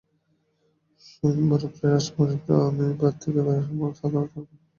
স্বয়ম্বরে প্রায়ই রাজকুমারীর পাণিপ্রার্থীকে সাধারণত কোন প্রকার শৌর্যবীর্যের পরিচয়, অস্ত্রশিক্ষার কৌশলাদি দেখাইতে হইত।